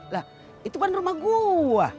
lah itu kan rumah gue